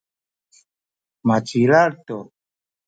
macilal tu.